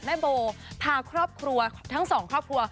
แม่โบพาครอบครัวทั้งสองครอบครัว